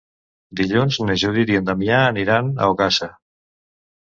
Dilluns na Judit i en Damià aniran a Ogassa.